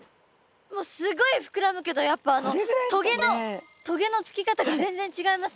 もうスゴい膨らむけどやっぱ棘の棘のつき方が全然違いますね。